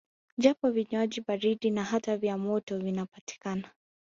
Japo vinywaji baridi na hata vya moto vinapatikana